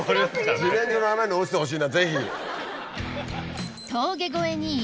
自然薯の穴に落ちてほしいなぜひ。